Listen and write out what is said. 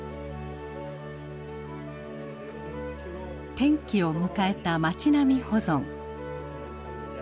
転機を迎えた町並み保存。